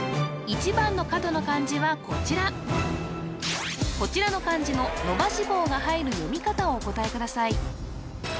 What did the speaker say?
１番の角の漢字はこちらこちらの漢字の伸ばし棒が入る読み方をお答えください